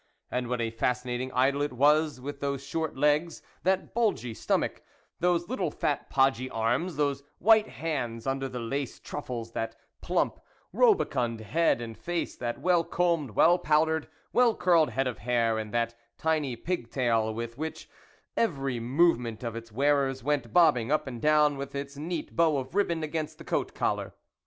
(' And what a fascinating idol it was with those short legs, that bulgy stomach, those little fat podgy arms, those white hands under the lace *uffles, that plump, rubicund head and face, that well combed, well powdered, well curled head of hair, and that tiny pig tail, which with every movement of its wearer's, went bobbing up and down with its neat bow of ribbon against the coat collar.